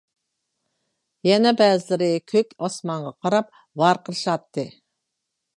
يەنە بەزىلىرى كۆك ئاسمانغا قاراپ ۋارقىرىشاتتى.